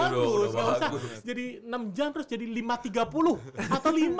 gak usah jadi enam jam terus jadi lima jam tiga puluh atau lima